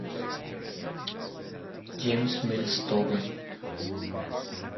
James Mills Thoburn.